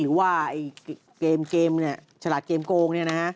หรือว่าเกมเนี่ยฉลาดเกมโกงเนี่ยนะฮะ